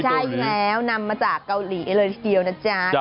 ใช่แล้วนำมาจากเกาหลีเลยทีเดียวนะจ๊ะ